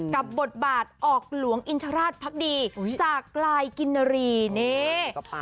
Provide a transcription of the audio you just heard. บทบาทออกหลวงอินทราชพักดีจากกลายกินนารีนี่